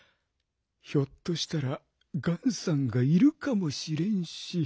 ひょっとしたらガンさんがいるかもしれんし。